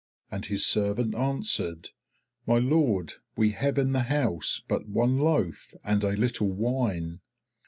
And his servant answered, 'My Lord, we have in the house but one loaf and a little wine.'